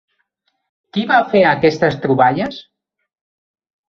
Qui va fer aquestes troballes?